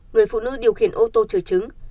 người phụ nữ điều khiển ô tô chở trứng